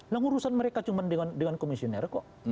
nah urusan mereka cuma dengan komisioner kok